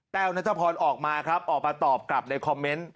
แต้วนัทธพรออกมาออกมาตอบกลับในคอมเมนต์